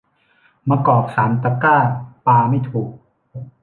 มะกอกสามตะกร้าปาไม่ถูก